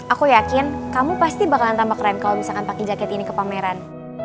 aku yakin kamu pasti bakalan tambah keren kalau misalkan pakai jaket ini ke pameran